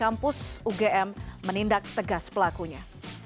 kampus ugm menindak tegas pelakunya